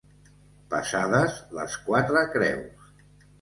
Passades les quatre creus.